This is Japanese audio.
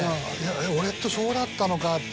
えっ俺ってそうだったのかって